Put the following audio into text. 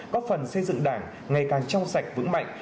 góp phần xây dựng đảng ngày càng trong sạch vững mạnh